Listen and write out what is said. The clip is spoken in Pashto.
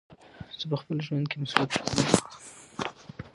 زه په خپل ژوند کې مثبت بدلون غواړم.